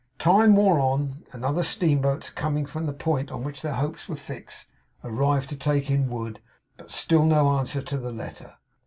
The time wore on, and other steamboats coming from the point on which their hopes were fixed, arrived to take in wood; but still no answer to the letter.